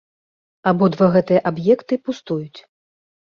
Абодва гэтыя аб'екты пустуюць.